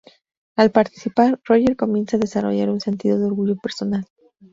Al participar, Roger comienza a desarrollar un sentido de orgullo personal.